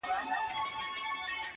o لېونى په خپل کار ښه پوهېږي.